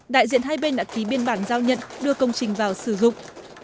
đại diện hai bên đã ký biên bản giao nhận đưa công trình vào sử dụng